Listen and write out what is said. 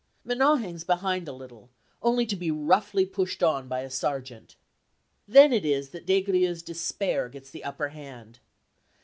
Manon hangs behind a little, only to be roughly pushed on by a sergeant. Then it is that Des Grieux's despair gets the upper hand.